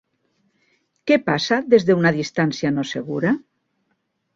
Què passa des d'una distància no segura?